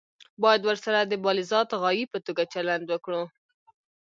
باید ورسره د بالذات غایې په توګه چلند وکړو.